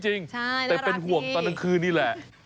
ใช่น่ารักนี่แต่เป็นห่วงตอนกลางคืนนี่แหละ